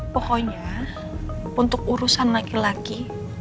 pokoknya untuk urusan laki laki